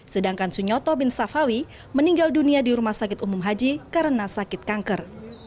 sedangkan sunyoto bin safawi meninggal dunia di rumah sakit umum haji karena sakit kanker